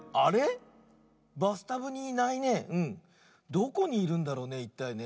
どこにいるんだろうねいったいね。